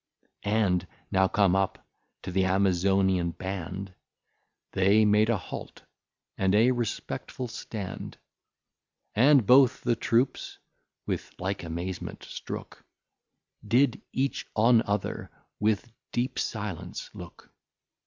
And now come up to th'Amazonian Band, They made a Hault and a respectful Stand: And both the Troops (with like amazement strook) Did each on other with deep silence look.